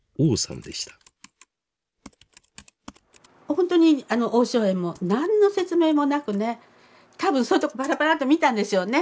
ほんとに王小燕も何の説明もなくね多分ばらばらっと見たんでしょうね。